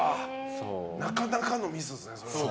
なかなかのミスですね。